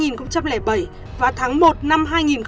năm hai nghìn bảy và tháng một năm hai nghìn tám